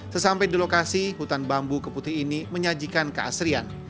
sesampai di lokasi hutan bambu keputih ini menyajikan keasrian